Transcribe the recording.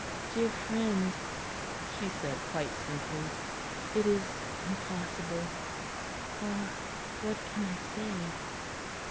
"Dear friend," she said quite simply, "it is impossible Ah! what can I say?"